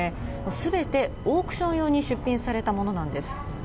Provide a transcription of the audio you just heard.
すべてオークション用に出品されたものなんです。